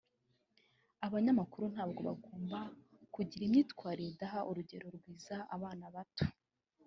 ˮAbanyamakuru ntabwo bagomba kugira imyitwarire idaha urugero rwiza abana batoˮ